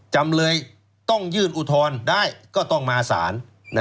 จำเลยต้องยื่นอุทธรณ์ได้ก็ต้องมาสาร